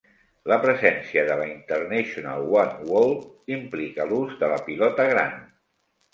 La presència de la International One Wall implica l'ús de la pilota gran.